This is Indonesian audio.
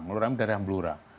ngeloram daerah blora